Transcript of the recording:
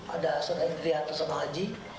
ada surai dwi hantusama haji